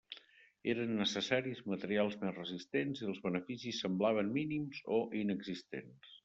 Eren necessaris materials més resistents i els beneficis semblaven mínims o inexistents.